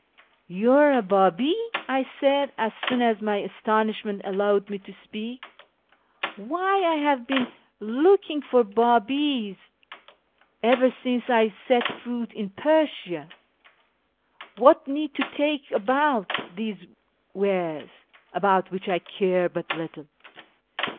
" You are a Babi !" I said, as soon as my astonishment allowed me to speak. " Why, I have been looking for Babis 2o6 A YEAR AMONGST THE PERSIANS ever since I sot foot in Persia. What need to talk about these wares, about which I care but little?